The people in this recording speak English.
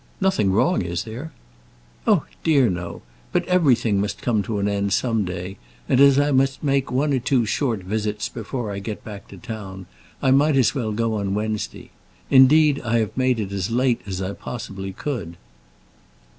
"Nothing wrong, is there?" "O dear, no! But everything must come to an end some day; and as I must make one or two short visits before I get back to town, I might as well go on Wednesday. Indeed, I have made it as late as I possibly could."